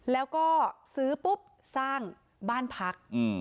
แล้วก็ซื้อปุ๊บสร้างบ้านพัก